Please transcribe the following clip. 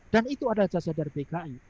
dan itu adalah jasa dari pki